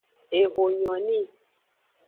Eho nyo ni.